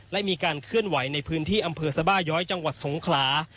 และมีการเคลื่อนไหวในพื้นที่อำเภอสบาย้อยจังหวัดสงขลา